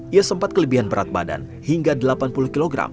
ia sempat kelebihan berat badan hingga delapan puluh kg